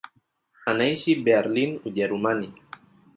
Anaishi Berlin, Ujerumani.